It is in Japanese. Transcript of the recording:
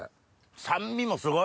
酸味もすごい。